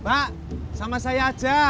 mbak sama saya aja